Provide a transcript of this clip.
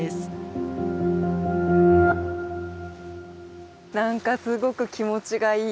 なんかすごく気持ちがいい。